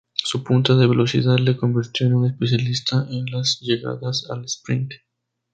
Su punta de velocidad le convirtió en un especialista en las llegadas al sprint.